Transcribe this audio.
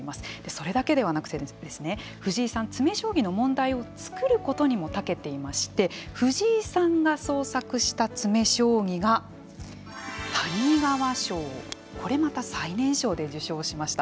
それだけではなくてですね藤井さん詰め将棋の問題を作ることにもたけていまして藤井さんが創作した詰め将棋が谷川賞をこれまた最年少で受賞しました。